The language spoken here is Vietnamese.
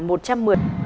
xin cảm ơn